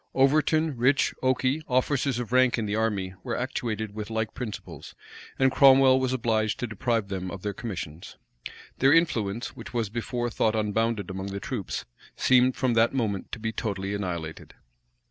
Overton, Rich, Okey, officers of rank in the army, were actuated with like principles, and Cromwell was obliged to deprive them of their commissions. Their influence, which was before thought unbounded among the troops, seemed from that moment to be totally annihilated.